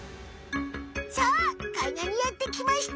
さあかいがんにやってきました。